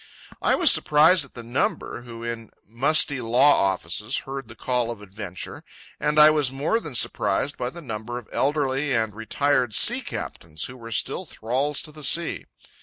I was surprised at the number, who, in musty law offices, heard the call of adventure; and I was more than surprised by the number of elderly and retired sea captains who were still thralls to the sea.